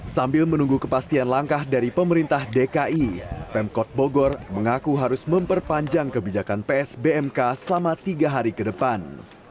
sambil menunggu kepastian langkah dari pemerintah dki pemkot bogor mengaku harus memperpanjang kebijakan psbmk selama tiga hari ke depan